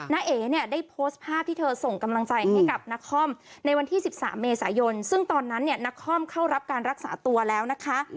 เอ๋เนี่ยได้โพสต์ภาพที่เธอส่งกำลังใจให้กับนครในวันที่๑๓เมษายนซึ่งตอนนั้นเนี่ยนักคอมเข้ารับการรักษาตัวแล้วนะคะ